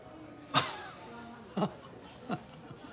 アハハハ。